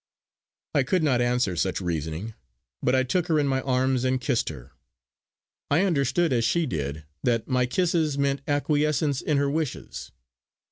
I could not answer such reasoning; but I took her in my arms and kissed her. I understood, as she did, that my kisses meant acquiescence in her wishes.